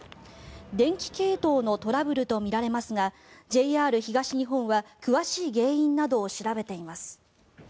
電気系統のトラブルとみられますがＪＲ東日本は詳しい原因などを調べています。